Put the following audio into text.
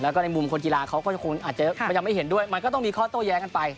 แล้วก็ในมุมคนกีฬาเขาก็คงอาจจะยังไม่เห็นด้วยมันก็ต้องมีข้อโต้แย้งกันไป